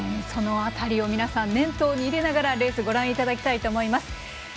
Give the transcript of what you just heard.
その辺りを皆さん念頭に置きながらレースをご覧いただきたいと思います。